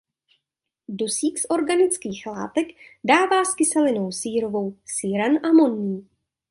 Dusík z organických látek dává s kyselinou sírovou síran amonný.